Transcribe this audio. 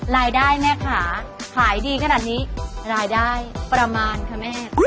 รายได้แม่ขาขายดีขนาดนี้รายได้ประมาณค่ะแม่